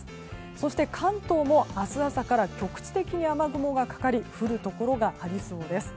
そして、関東も明日朝から局地的に雨雲がかかり降るところがありそうです。